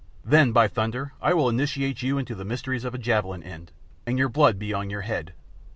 "Then, by thunder, I will initiate you into the mysteries of a javelin end, and your blood be on your head."